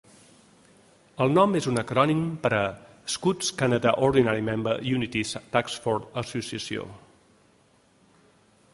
El nom és un acrònim per a "Scouts Canada ordinari membre Unity Taskforce Associació".